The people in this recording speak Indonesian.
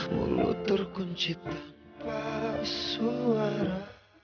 mulut terkunci tanpa suara